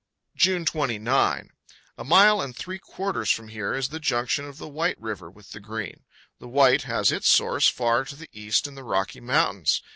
June 29. A mile and three quarters from here is the junction of the White River with the Green. The White has its source far to the east in the Rocky Mountains.